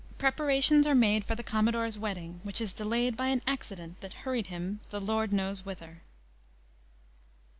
Preparations are made for the Commodore's Wedding, which is delayed by an Accident that hurried him the Lord knows whither.